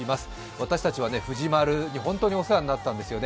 私たちは藤丸に本当にお世話になったんですね。